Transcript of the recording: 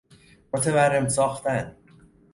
متورم ساختن